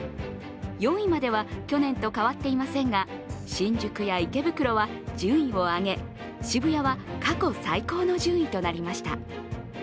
４位までは去年と変わっていませんが新宿や池袋は順位を上げ渋谷は過去最高の順位となりました。